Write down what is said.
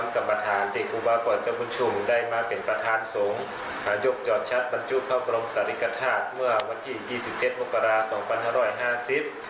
ครับบรรจุพระบรรมศาลีริกฐาศเมื่อวันที่๒๗มกราคมปี๒๐๕๐